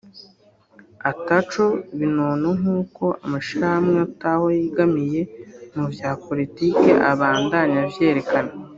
ataco binona nk’uko amashirahamwe ataho yegamiye mu vya politique abandanya avyerekana